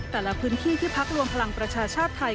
แต่ละพื้นที่ที่พักรวมพลังประชาชาติไทย